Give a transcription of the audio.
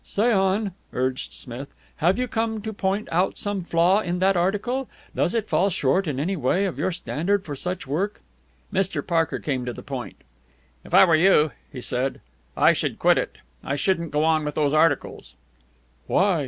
"Say on," urged Smith. "Have you come to point out some flaw in that article? Does it fall short in any way of your standard for such work?" Mr. Parker came to the point. "If I were you," he said, "I should quit it. I shouldn't go on with those articles." "Why?"